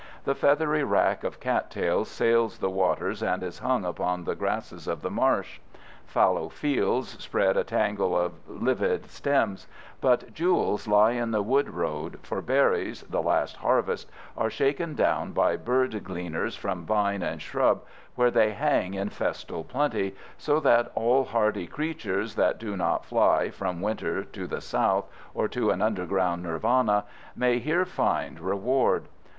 The feathery wrack of cat tails sails the waters and is hung upon the grasses of the marsh. Fallow fields spread a tangle of livid stems, but jewels lie in the wood road, for berries, the last harvest, are shaken down by bird gleaners from vine and shrub, where they hang in festal plenty, so that all hardy creatures that do not fly from winter to the South or to an underground Nirvana may here find reward.